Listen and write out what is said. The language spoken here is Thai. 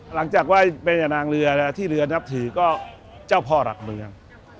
หลังจากว่ายเป็นนางเรือที่เรือนับถือก็เจ้าพ่อหลักเมือง